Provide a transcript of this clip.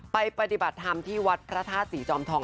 ปฏิบัติธรรมที่วัดพระธาตุศรีจอมทอง